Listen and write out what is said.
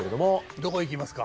どこいきますか？